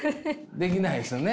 できないですよね？